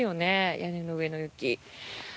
屋根の上の雪。